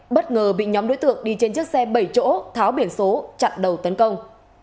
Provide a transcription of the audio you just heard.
bất ngờ bị nhóm đối tượng đi trên chiếc xe bảy chỗ tháo biển số chặn đầu tấn công